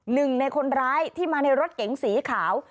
หนึ่งในคนร้ายที่มาในรถเก๋งสีขาว